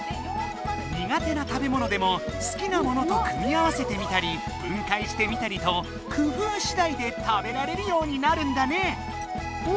苦手な食べものでもすきなものと組み合わせてみたり分解してみたりと工夫しだいで食べられるようになるんだね！